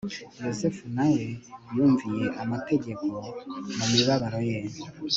yozefu na we yumviye amategeko mu mibabaro ye